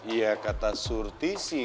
ya kata surti sih